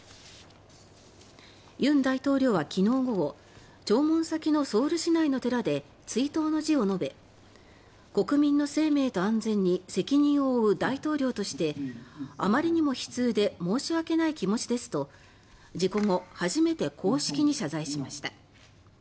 尹大統領は昨日午後弔問先のソウル市内の寺で追悼の辞を述べ国民の生命と安全に責任を負う大統領としてあまりにも悲痛で申し訳ない気持ちですと事故後初めて公式に謝罪しました。